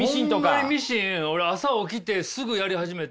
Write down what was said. ホンマにミシン俺朝起きてすぐやり始めて。